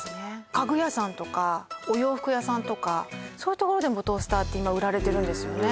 家具屋さんとかお洋服屋さんとかそういうところでもトースターって今売られてるんですよね